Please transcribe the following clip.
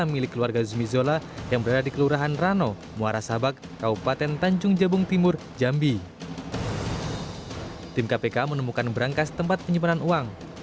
kepala keberadaan yang bersakutan di wilayah indonesia dibutuhkan dalam rangka kelancaran proses penyelidikan